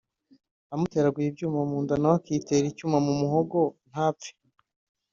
amuteraguye ibyuma mu nda nawe akitera icyuma mu muhogo ntapfe